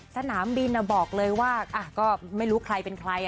สนามบินบอกเลยว่าก็ไม่รู้ใครเป็นใคร